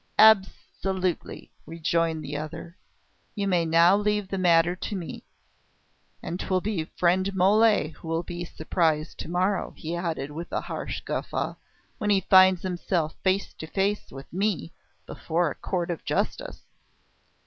"Absolutely!" rejoined the other. "You may now leave the matter to me. And 'twill be friend Mole who will be surprised to morrow," he added with a harsh guffaw, "when he finds himself face to face with me, before a Court of Justice."